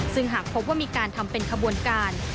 ซึ่งหากพบว่ามีการทำเป็นขบวนการ